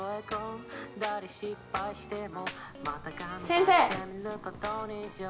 先生！